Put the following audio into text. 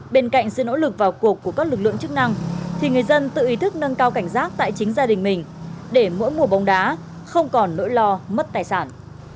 bên cạnh sự nỗ lực vào cuộc của các lực lượng chức năng thì người dân tự ý thức nâng cao cảnh giác tại chính gia đình mình để mỗi mùa bóng đá không còn nỗi lo mất tài sản